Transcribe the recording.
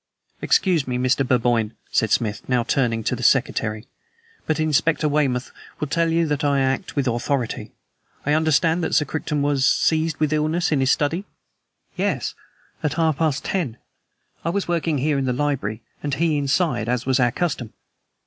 "Excuse me, Mr. Burboyne," said Smith, now turning to the secretary, "but Inspector Weymouth will tell you that I act with authority. I understand that Sir Crichton was seized with illness in his study?" "Yes at half past ten. I was working here in the library, and he inside, as was our custom."